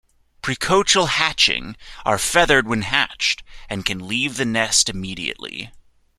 Precocial hatching are feathered when hatched, and can leave the nest immediately.